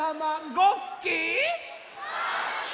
ごっき？